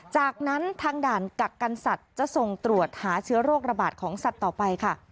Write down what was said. จากนั้นทางด่านกักกันสัตว์จะส่งตรวจหาเชื้อโรคระบาดของสัตว์ต่อไปค่ะ